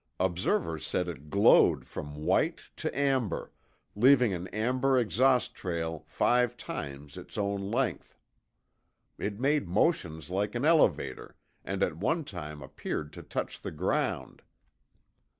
Observers said it glowed from white to amber, leaving an amber exhaust trail five times its own length. It made motions like an elevator and at one time appeared to touch the ground.